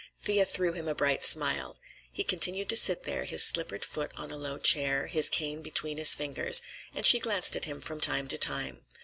Thea threw him a bright smile. He continued to sit there, his slippered foot on a low chair, his cane between his fingers, and she glanced at him from time to time.